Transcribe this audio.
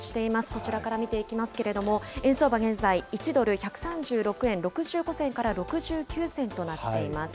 こちらから見ていきますけれども、円相場、現在１ドル１３６円６５銭から６９銭となっています。